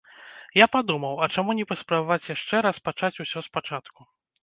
Я падумаў, а чаму не паспрабаваць яшчэ раз пачаць усё спачатку.